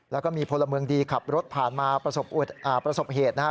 แล้วก็มีพลเมืองดีขับรถผ่านมาประสบเหตุนะครับ